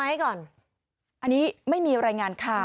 อันนี้ไม่มีรายงานข่าว